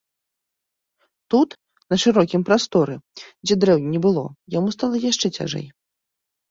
Тут, на шырокім прасторы, дзе дрэў не было, яму стала яшчэ цяжэй.